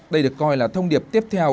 đây được coi là thông điệp tiếp theo